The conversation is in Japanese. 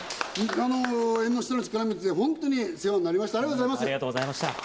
縁の下の力持ちで、お世話になりました、ありがとうございました。